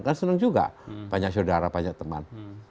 kan senang juga banyak saudara banyak teman